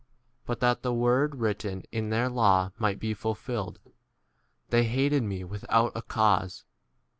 But that the word writ ten in their law might be fulfilled, They hated me without a cause.